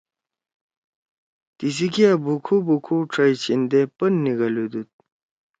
تیِسی کیا بُوکھو بُوکھو ڇھئی چھیندے پن نیگھلُودُود۔